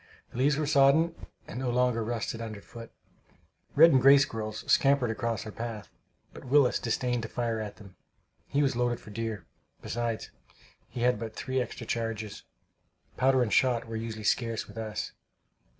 The leaves were sodden, and no longer rustled underfoot. Red and gray squirrels scampered across our path, but Willis disdained to fire at them. He was loaded for deer; besides he had but three extra charges. Powder and shot were usually scarce with us.